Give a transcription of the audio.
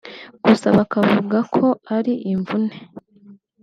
gusa bakavuga ko ari imvune